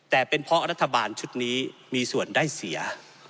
แต่เป็นเพราะรัฐบาลชุดนี้มีส่วนได้เสีย